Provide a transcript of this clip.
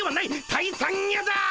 「退散や」だ！